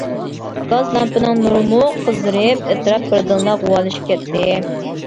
گاز لامپىنىڭ نۇرىمۇ قىزىرىپ، ئەتراپ بىردىنلا غۇۋالىشىپ كەتتى.